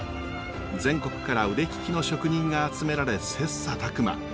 全国から腕利きの職人が集められ切磋琢磨。